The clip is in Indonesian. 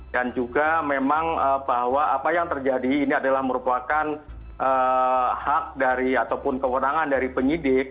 dan juga memang bahwa apa yang terjadi ini adalah merupakan hak dari ataupun kewenangan dari penyidik